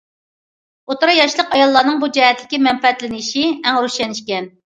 ئوتتۇرا ياشلىق ئاياللارنىڭ بۇ جەھەتتىكى مەنپەئەتلىنىشى ئەڭ روشەن ئىكەن.